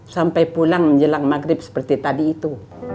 sampai pulang menjelang maghrib seperti tadi itu